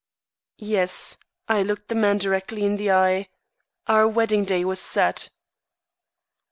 "Yes." I looked the man directly in the eye. "Our wedding day was set."